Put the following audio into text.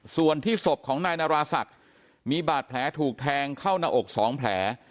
ส่วนที่ศพของนายนาราศักดิ์มีบาดแผลถูกแทงเข้าหน้าอก๒แผล